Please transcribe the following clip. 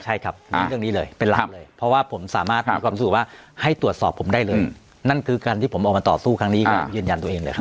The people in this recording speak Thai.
ใช่ครับเน้นเรื่องนี้เลยเป็นหลักเลยเพราะว่าผมสามารถมีความรู้สึกว่าให้ตรวจสอบผมได้เลยนั่นคือการที่ผมออกมาต่อสู้ครั้งนี้ครับยืนยันตัวเองเลยครับ